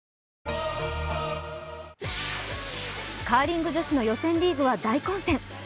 カーリング女子の予選リーグは大混戦。